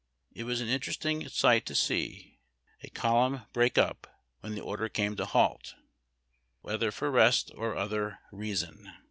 It was an interesting sight to see a column break up when the order came to halt, whether for rest or other i eason.